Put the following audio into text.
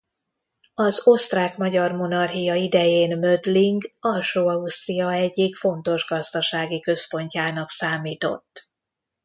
Az Osztrák–Magyar Monarchia idején Mödling Alsó-Ausztria egyik fontos gazdasági központjának számított.